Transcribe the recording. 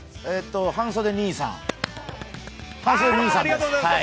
半袖兄さんです。